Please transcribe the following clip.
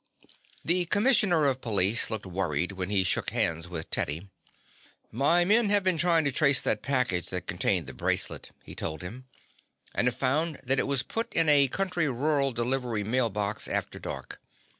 The commissioner of police looked worried when he shook hands with Teddy. "My men have been trying to trace that package that contained the bracelet," he told him, "and have found that it was put in a country rural delivery mail box after dark.